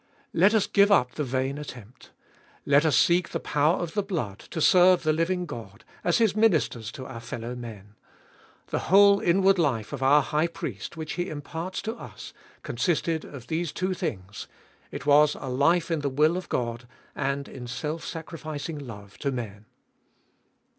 Let us give up the vain attempt. Let us seek the power of the blood to serve the living God, as His ministers to our fellow men, The whole inward life of our High Priest, which He imparts to us, consisted of these two things : it was a life in the will of God, and in self sacrificing hue to men.